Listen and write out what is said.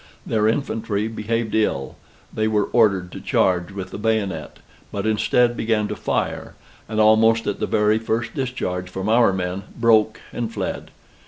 Their infantry behaved ill; they were ordered to charge with the bayonet, but, instead, began to fire, and almost at the very first discharge from our men, broke and fled.